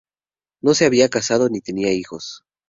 No se había casado ni tenía hijos.